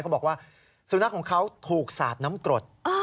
เขาบอกว่าสุนัขของเขาถูกสาดน้ำกรด